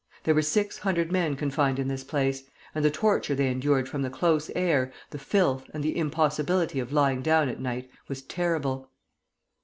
There were six hundred men confined in this place, and the torture they endured from the close air, the filth, and the impossibility of lying down at night was terrible.